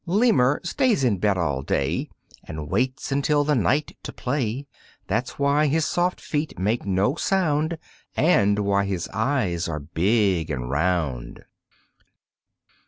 Lemur stays in bed all day And waits until the night to play; That's why his soft feet make no sound And why his eyes are big and round.